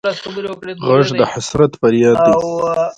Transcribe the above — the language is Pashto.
غږ د حسرت فریاد دی